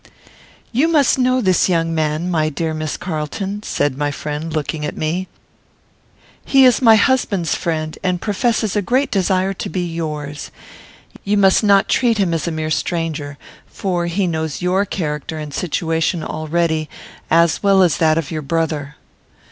"You must know this young man, my dear Miss Carlton," said my friend, looking at me; "he is my husband's friend, and professes a great desire to be yours. You must not treat him as a mere stranger, for he knows your character and situation already, as well as that of your brother."